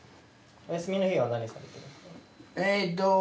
お休みの日は何されてるんですか？